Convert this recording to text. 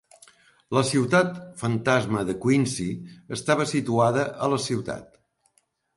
La ciutat fantasma de Quincy estava situada a la ciutat.